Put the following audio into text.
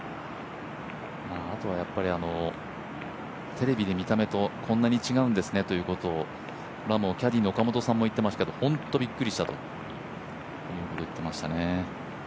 あとは、テレビで見た目とこんなに違うんですねということをキャディーの岡本さんも言っていましたけど本当にびっくりしましたね。